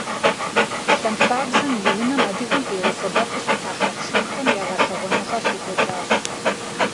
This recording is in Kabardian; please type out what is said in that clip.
Щэнхабзэм и унэм адыгэм къигъэсэбэпу щыта хьэпшыпхэм я гъэлъэгъуэныгъэ щекӏуэкӏащ.